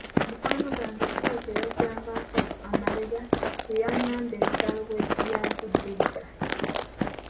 Mukwano gwange Sseeki eyajja anvaako emabega ye yabagamba ebitalo bwe byagudde edda.